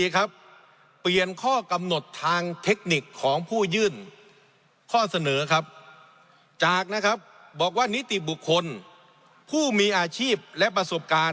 ครับเปลี่ยนข้อกำหนดทางเทคนิคของผู้ยื่นข้อเสนอครับจากนะครับบอกว่านิติบุคคลผู้มีอาชีพและประสบการณ์